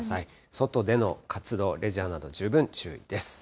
外での活動、レジャーなど、十分注意です。